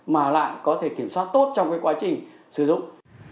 mà lại có thể kiểm soát tốt trong cái quá trình sử dụng